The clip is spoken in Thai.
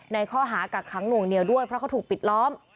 ในข้อหากักขังหน่วงเหนียวด้วยเพราะเขาถูกปิดล้อม